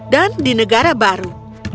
dan di negara baru